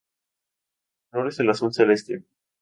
Su color es el azul celeste.